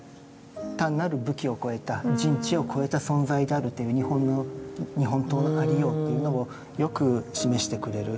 単なる武器を超えた人知を超えた存在であるという日本刀の有りようというのをよく示してくれる。